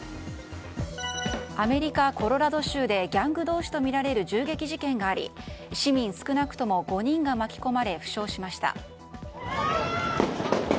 アメリカ・コロラド州でギャング同士とみられる銃撃事件があり市民少なくとも５人が巻き込まれ負傷しました。